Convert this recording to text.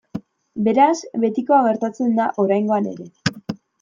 Beraz, betikoa gertatzen da oraingoan ere.